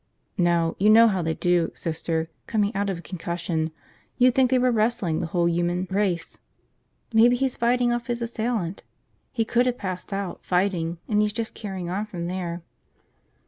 "No, you know how they do, Sister, coming out of a concussion. You'd think they were wrestling the whole human race. Maybe he's fighting off his assailant. He could have passed out, fighting, and he's just carrying on from there."